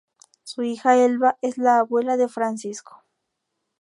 Su hija Elba es la abuela de Francisco.